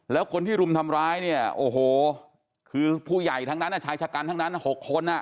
แล้วคนที่รุมทำร้ายผู้ใหญ่ทั้งนั้นชายชะกรรมทั้งนั้น๖คน